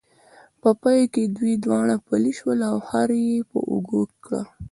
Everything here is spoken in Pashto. په پای کې دوی دواړه پلي شول او خر یې په اوږو کړ.